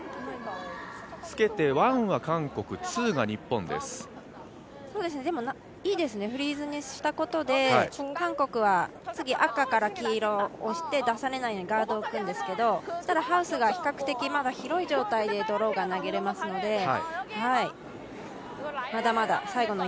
つけてワンは韓国、ツーが日本ですでもいいですね、フリーズにしたことで韓国は次、赤から黄色押して、出されないようにガードを置くんですけどハウスが比較的まだ広い状態でドローが投げれますので、